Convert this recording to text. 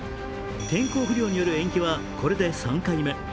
天候不良による延期はこれで３回目。